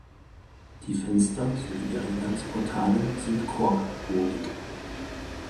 Die Fenster sowie die Eingangsportale sind korbbogig.